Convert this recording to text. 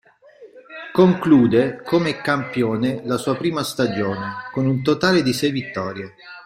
Conclude come campione la sua prima stagione, con un totale di sei vittorie.